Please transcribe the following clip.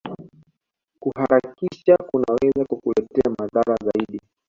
Kuharakisha kunaweza kukuletea madhara zaidi